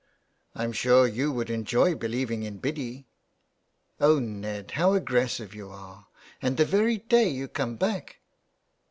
" I'm sure you would enjoy believing in Biddy." '* Oh, Ned, how aggressive you are, and the very day you come back.''